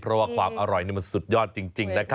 เพราะว่าความอร่อยนี่มันสุดยอดจริงนะครับ